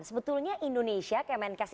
sebetulnya indonesia kemenkes